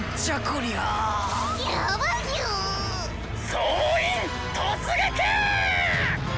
総員突撃！